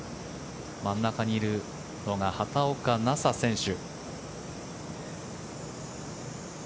真ん中にいるのが畑岡奈紗選手。